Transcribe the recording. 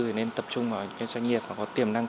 thì nên tập trung vào những cái doanh nghiệp mà có tiềm năng